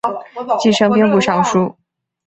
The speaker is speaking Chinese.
继升兵部尚书。